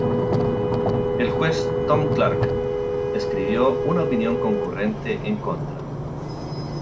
El juez Tom Clark escribió una opinión concurrente en contra.